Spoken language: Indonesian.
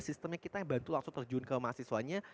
sistemnya kita bantu langsung terjun ke mahasiswanya